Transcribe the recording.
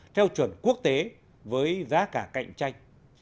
theo chuẩn quốc tế với giá cả cạnh tranh